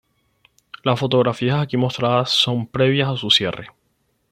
Las fotografías aquí mostradas son previas a su cierre.